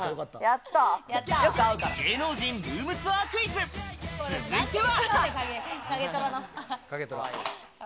芸能人ルームツアークイズ、続いては。